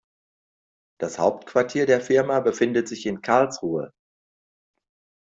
Das Hauptquartier der Firma befindet sich in Karlsruhe